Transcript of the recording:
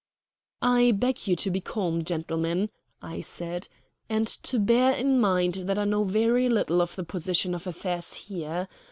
"I beg you to be calm, gentlemen," I said, "and to bear in mind that I know very little of the position of affairs here.